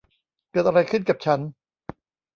เกิดอะไรขึ้นกับฉัน